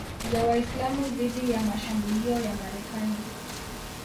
za Waislamu dhidi ya mashambulio ya Marekani